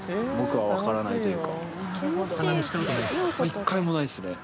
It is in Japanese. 一回もないですね